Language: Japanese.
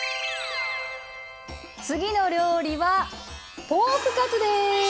次の料理はポークカツです！